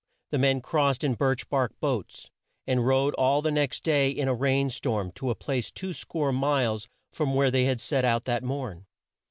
The men crossed in birch bark boats, and rode all the next day in a rain storm to a place two score miles from where they had set out that morn.